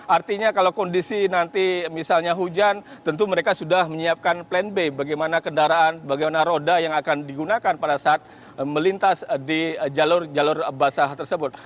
artinya kalau kondisi nanti misalnya hujan tentu mereka sudah menyiapkan plan b bagaimana kendaraan bagaimana roda yang akan digunakan pada saat melintas di jalur jalur basah tersebut